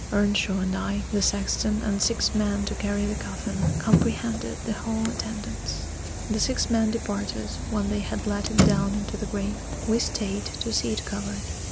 Earnshaw and I, the sexton, and six men to carry the coffin, comprehended the whole attendance. The six men departed when they had let it down into the grave: we stayed to see it covered.